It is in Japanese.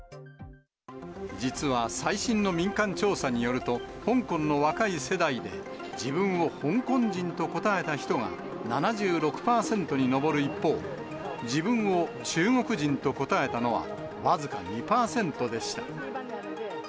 実は最新の民間調査によると、香港の若い世代で、自分を香港人と答えた人が、７６％に上る一方、自分を中国人と答えたのは、僅か２％でした。